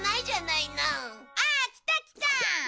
ああ来た来た！